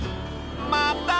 またね！